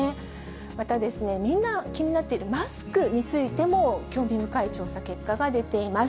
またみんな気になっているマスクについても、興味深い調査結果が出ています。